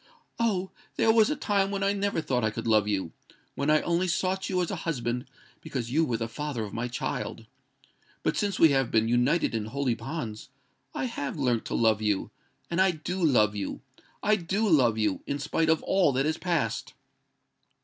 "Oh! there was a time when I never thought I could love you—when I only sought you as a husband because you were the father of my child:—but since we have been united in holy bonds, I have learnt to love you—and I do love you—I do love you—in spite of all that has passed!"